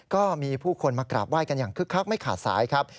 ก็มีผู้คนมากราบไห้กันอย่างคึกคักไม่ขาดสายครับ